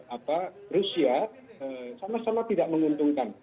apa rusia sama sama tidak menguntungkan